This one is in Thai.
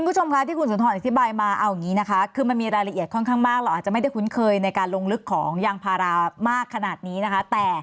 คำใจด้วยที่มีมีรายละเอียดค่อนข้างมากเราอาจจะไม่ได้คุ้นเคยในการลงลึกของอย่างภารามากขนาดนี้นะคะ